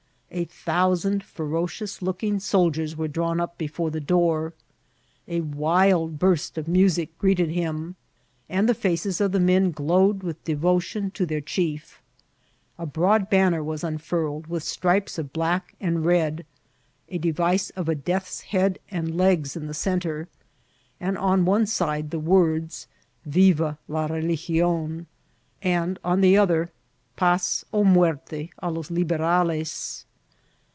A thousand ferocious looking soldiers were drawn up before the door. A wild burst of music greeted him, and the faces of the men glowed with devotion to their chie£ A broad banner was unfurled, with stripes of blade and red, a device of a death's head and legs in the centre, and on one side the words " Viva la reli* gion !" and on the other *^ Paz o muerte a los Liber* ales